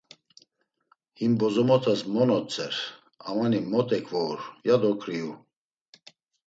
Him bozomotas mo notzer, amani mot eǩvour, yado ǩriu.